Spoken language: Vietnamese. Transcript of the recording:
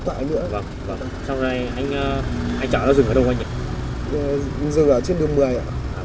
thì lúc này